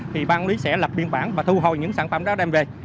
thì ban quản lý sẽ lập biên bản và thu hồi những sản phẩm đó đem về